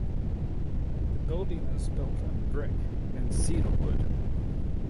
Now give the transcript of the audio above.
The building is built in brick and cedar wood.